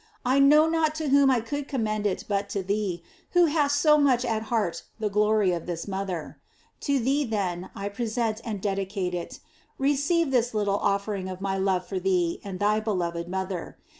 I know not to whom I could commend it but to thee, who hast so much at heart the glory of this mother. To thee, then, I present and dedicate it. Receive this little offering of my love for thee and thy beloved mother.